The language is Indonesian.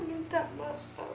dina gak tau